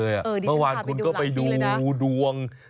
เฮ่ยที่มาพาไปดูหลังนี้เลยน่ะมะวานคุณก็ไปดูดวง